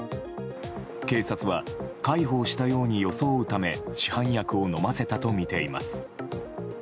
警察は介抱したように装うため市販薬を飲ませたとみています。